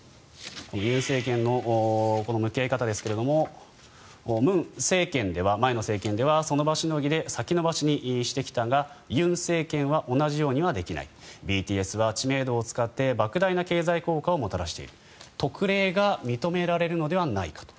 文政権での向き合い方ですが文政権、前の政権ではその場しのぎで先延ばしにしてきたが尹政権は同じようにはできないＢＴＳは知名度を使ってばく大な経済効果をもたらしている特例が認められるのではないかと。